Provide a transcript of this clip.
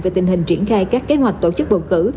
về tình hình triển khai các kế hoạch tổ chức bầu cử